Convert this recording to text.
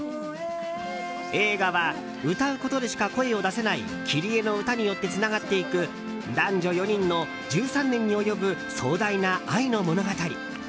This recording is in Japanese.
映画は、歌うことでしか声を出せないキリエの歌によってつながっていく男女４人の１３年に及ぶ壮大な愛の物語。